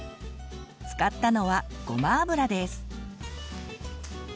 使ったのはごま油です。